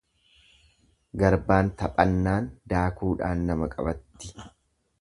Garbaan taphannaan daakuudhaan nama qabatti.